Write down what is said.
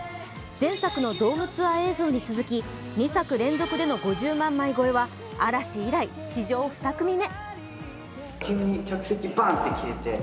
前作のドームツアー映像に続き２作連続での５０万枚超えは嵐以来、史上２組目。